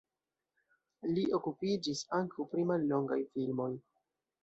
Li okupiĝis ankaŭ pri mallongaj filmoj.